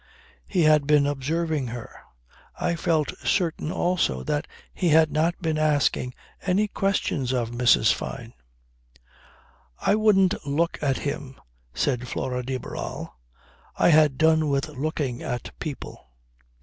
He had been observing her. I felt certain also that he had not been asking any questions of Mrs. Fyne. "I wouldn't look at him," said Flora de Barral. "I had done with looking at people.